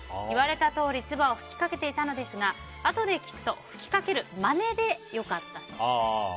言われたとおりつばを吹きかけていたのですがあとで聞くと吹きかけるまねで良かったそうです。